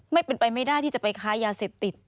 ไม่เป็นไปไม่ได้ที่จะไปค้ายาเสพติด